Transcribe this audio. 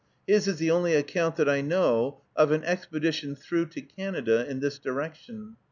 His is the only account that I know of an expedition through to Canada in this direction.